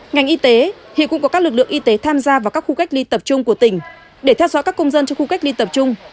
ngành y tế hiện cũng có các lực lượng y tế tham gia vào các khu cách ly tập trung của tỉnh để theo dõi các công dân trong khu cách ly tập trung